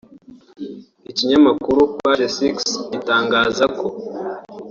Ikinyamakuru Page Six gitangaza ko